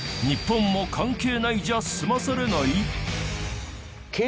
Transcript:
日本も関係ないじゃ済まされない！？